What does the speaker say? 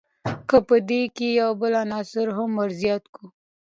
که په دې کښي یو بل عنصر هم ور زیات کو.